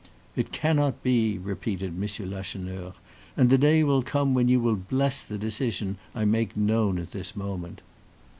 "It cannot be," repeated M. Lacheneur; "and the day will come when you will bless the decision I make known at this moment."